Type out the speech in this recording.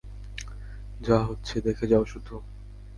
যা হচ্ছে দেখে যাও শুধু।